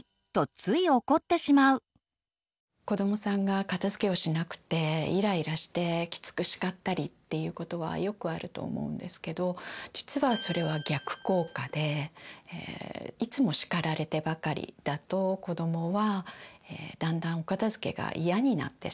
子どもさんが片づけをしなくてイライラしてきつく叱ったりっていうことはよくあると思うんですけど実はそれは逆効果でいつも叱られてばかりだと子どもはだんだんお片づけが嫌になってしまう。